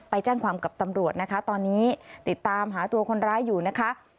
ไปแจ้งความกับตำรวจนะคะตอนนี้ติดตามหาตัวคนร้ายอยู่นะคะ